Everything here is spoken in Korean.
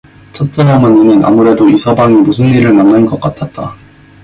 첫째 어머니는 아무래도 이서방이 무슨 일을 만난 것 같았다.